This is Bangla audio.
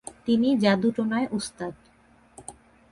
তিনি যাদু-টোনায় উস্তাদ।